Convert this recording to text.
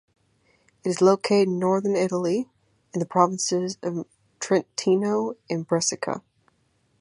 It is located in northern Italy, in the provinces of Trentino and Brescia.